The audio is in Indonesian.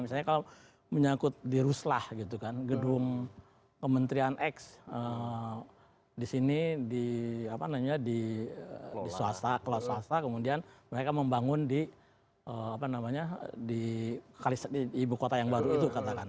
misalnya kalau menyangkut di ruslah gitu kan gedung kementrian x di sini di swasta kemudian mereka membangun di ibu kota yang baru itu katakan